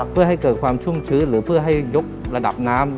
เพื่อให้เกิดความชุ่มชื้นหรือเพื่อให้ยกระดับน้ำ